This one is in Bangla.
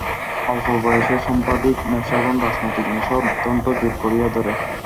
অল্প বয়সে সম্পাদকি নেশা এবং রাজনৈতিক নেশা অত্যন্ত জোর করিয়া ধরে।